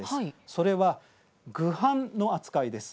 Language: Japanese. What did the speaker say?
それは、ぐ犯の扱いです。